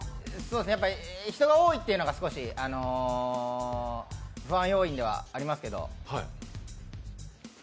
人が多いっていうのは少し不安要因ではありますけど。